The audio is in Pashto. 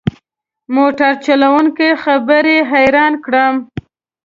موټر چلوونکي خبرې حیران کړم.